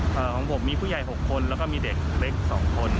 ของผมมีผู้ใหญ่๖คนแล้วก็มีเด็กเล็กสองคน